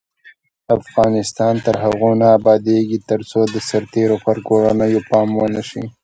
افغانستان تر هغو نه ابادیږي، ترڅو د سرتیرو پر کورنیو پام ونشي.